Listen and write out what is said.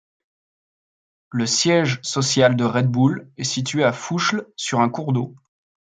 Le siège social de Red Bull est situé à Fuschl, sur un cours d'eau.